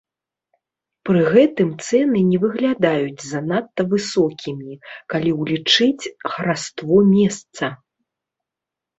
Пры гэтым цэны не выглядаюць занадта высокімі, калі ўлічыць хараство месца.